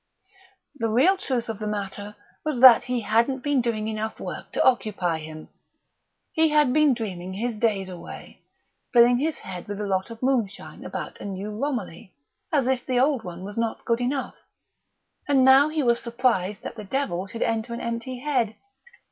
Pshaw! The real truth of the matter was that he hadn't been doing enough work to occupy him. He had been dreaming his days away, filling his head with a lot of moonshine about a new Romilly (as if the old one was not good enough), and now he was surprised that the devil should enter an empty head!